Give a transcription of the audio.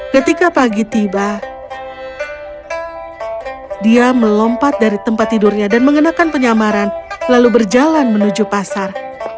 ketika pagi tiba dia melompat dari tempat tidurnya dan mengenakan penyamaran lalu berjalan menuju pasar